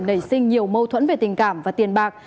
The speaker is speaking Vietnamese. nảy sinh nhiều mâu thuẫn về tình cảm và tiền bạc